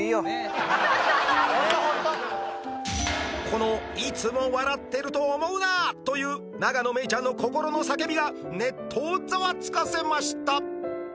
この「いつも笑ってると思うな！」という永野芽郁ちゃんの心の叫びがネットをざわつかせました